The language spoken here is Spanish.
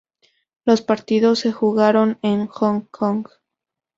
Los partidos se jugaron en Hong Kong.